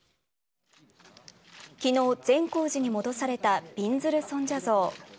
昨日、善光寺に戻されたびんずる尊者像。